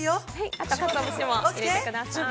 ◆あと、かつお節も入れてください。